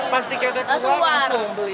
pas tiket udah keluar langsung beli